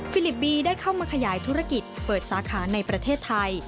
ลิปบีได้เข้ามาขยายธุรกิจเปิดสาขาในประเทศไทย